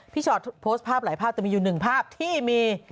ชอตโพสต์ภาพหลายภาพจะมีอยู่หนึ่งภาพที่มี